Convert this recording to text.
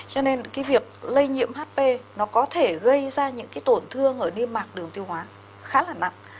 cho nên cái việc lây nhiễm hp nó có thể gây ra những cái tổn thương ở đi mạc đường tiêu hóa khá là nặng